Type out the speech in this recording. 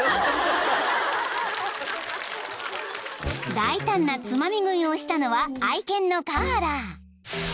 ［大胆なつまみ食いをしたのは愛犬のカーラ］